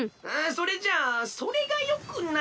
それじゃそれがよくない。